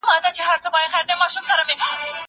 زه پرون مېوې وچولې!.